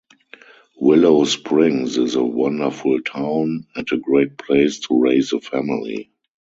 Willow Springs is a wonderful town and a great place to raise a family.